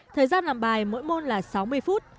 thời gian làm bài mỗi môn là sáu mươi phút